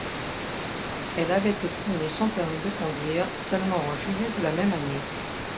Elle avait obtenu son permis de conduire seulement en juillet de la même année.